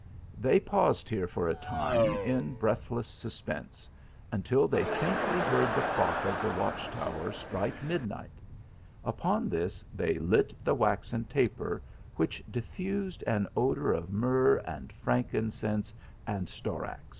They paused here for a time in breathless suspense, until they faintly heard the clock of the watch tower strike midnight ; upon this they lit the waxen taper, which diffused an odour of myrrh, and frankincense, and storax.